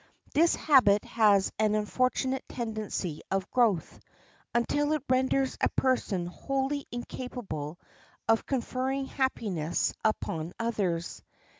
This habit has an unfortunate tendency of growth, until it renders a person wholly incapable of conferring happiness upon others.